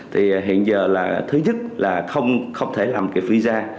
thì hiện giờ là thứ nhất là không thể làm cái visa